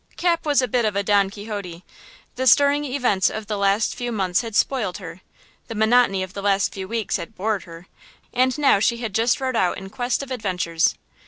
CAP was a bit of a Don Quixote! The stirring incidents of the last few months had spoiled her; the monotony of the last few weeks had bored her; and now she had just rode out in quest of adventures.